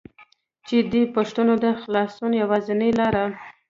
چې دې پښتنو د خلاصونو يوازينۍ لاره